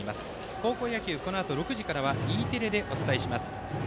高校野球、６時からはＥテレでお伝えします。